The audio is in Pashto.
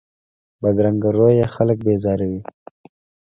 بدرنګه رویه خلک بېزاروي